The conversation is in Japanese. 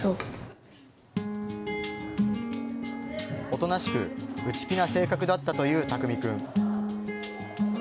おとなしく内気な性格だったという巧君。